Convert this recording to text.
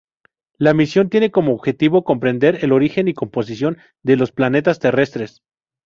La misión tiene como objetivo comprender el origen y composición de los planetas terrestres.